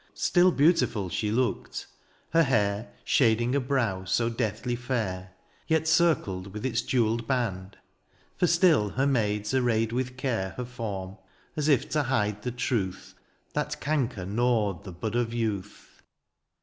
Still beautiful she looked — ^her hair. Shading a brow so deathly fair. Yet circled with its jewelled band ; For still her maids arrayed with care Her form, as if to hide the truth THE AREOPAGITE. 79 That canker gnawed the bud of youth.